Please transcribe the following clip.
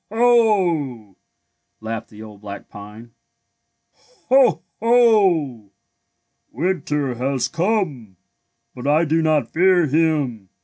Ho! '' laughed the old black pine. '' Ho! Ho! winter has come, but I do not fear him.